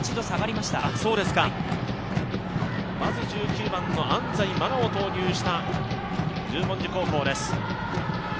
まず１９番の安西愛を投入した十文字高校です。